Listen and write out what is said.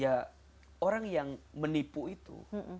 ya orang yang menipu itu